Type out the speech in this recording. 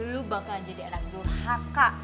lo bakalan jadi anak durhaka